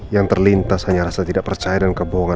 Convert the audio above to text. yang terlintas hanya rasa tidak percaya dan kebohongan